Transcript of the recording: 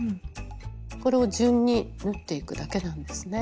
これを順に縫っていくだけなんですね。